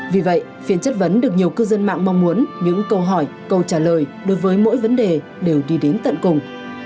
vì vậy phiên chất vấn được nhiều cư dân mạng mong muốn những câu hỏi câu trả lời đối với mỗi vấn đề đều đi đến tận cùng